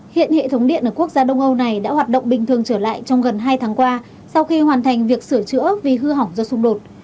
hiện hệ thống điện ở quốc gia đông âu này đã hoạt động bình thường trở lại trong gần hai tháng qua sau khi hoàn thành việc sửa chữa vì hư hỏng do xung đột